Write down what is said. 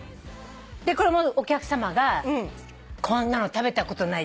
これもお客さまが「こんなの食べたことない。